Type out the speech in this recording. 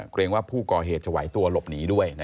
เกรงว่าผู้ก่อเหตุจะไหวตัวหลบหนีด้วย